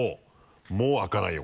もう開かないよ